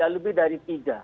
lebih dari tiga